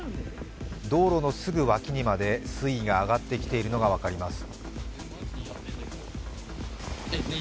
道路のすぐ脇にまで水位が上がってきているのが分かります。